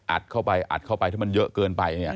อัดเข้าไปอัดเข้าไปถ้ามันเยอะเกินไปเนี่ย